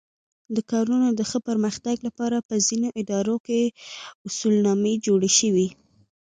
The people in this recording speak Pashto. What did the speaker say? د کارونو د ښه پرمختګ لپاره په ځینو ادارو کې اصولنامې جوړې شوې.